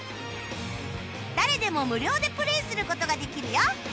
誰でも無料でプレーする事ができるよ